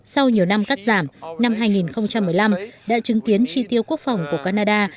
sau nhiều năm cắt giảm năm hai nghìn một mươi năm đã chứng kiến chi tiêu quốc phòng của canada